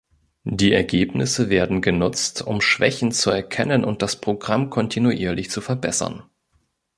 Die Ergebnisse werden genutzt, um Schwächen zu erkennen und das Programm kontinuierlich zu verbessern.